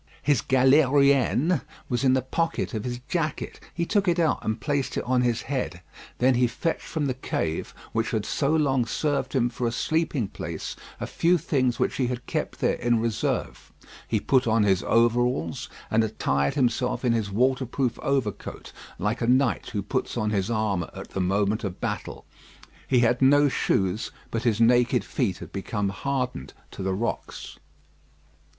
His galérienne was in the pocket of his jacket; he took it out and placed it on his head. Then he fetched from the cave, which had so long served him for a sleeping place, a few things which he had kept there in reserve; he put on his overalls, and attired himself in his waterproof overcoat, like a knight who puts on his armour at the moment of battle. He had no shoes; but his naked feet had become hardened to the rocks.